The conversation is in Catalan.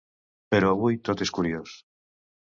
Però avui tot és curiós.